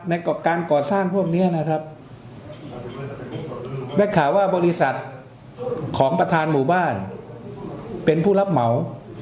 ในการก่อสร้างพวกนี้นะครับได้ข่าวว่าบริษัทของประธานหมู่บ้านเป็นผู้รับเหมา